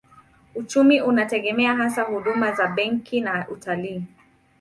Uchumi unategemea hasa huduma za benki na utalii.